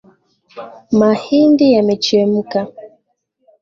Mahindi yamechemka.